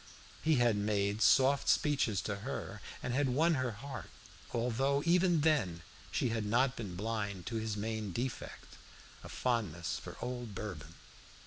He had made soft speeches to her, and had won her heart, although, even then, she had not been blind to his main defect a fondness for old Bourbon.